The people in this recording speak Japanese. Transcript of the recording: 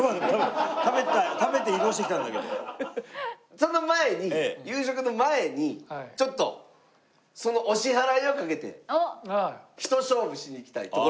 その前に夕食の前にちょっとそのお支払いを賭けて一勝負しに行きたい所がありますんで。